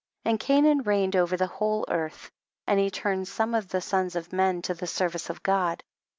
14. And Cainan reigned over the whole earth, and he turned some of the sons of men to the service of God.